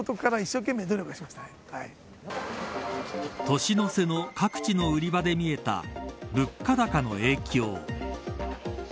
年の瀬の各地の売り場で見えた物価高の影響。